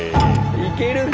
いけるか？